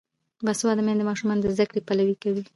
باسواده میندې د ماشومانو د زده کړې پلوي کوي.